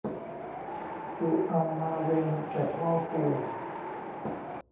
กูเอามาเวนแก่พ่อกู